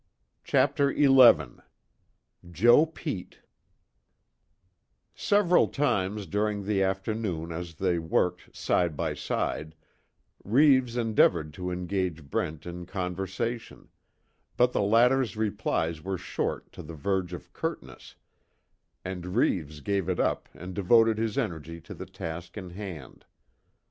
CHAPTER XI JOE PETE Several times during the afternoon as they worked side by side, Reeves endeavored to engage Brent in conversation, but the latter's replies were short to the verge of curtness, and Reeves gave it up and devoted his energy to the task in hand.